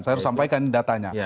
saya harus sampaikan datanya